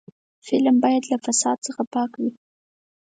فلم باید له فساد څخه پاک وي